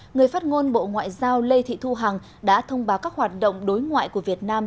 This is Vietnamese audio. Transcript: người phát ngôn bộ ngoại giao lê thị thu hằng đã thông báo các hoạt động đối ngoại của việt nam